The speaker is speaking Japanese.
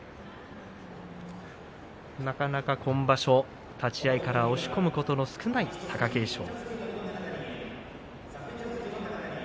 なかなか今場所、立ち合いから押し込むことの少ない貴景勝。